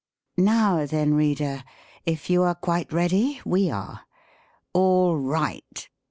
" Now then, reader, if you are quite ready, we are. —All right